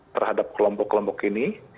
terhadap kelompok kelompok ini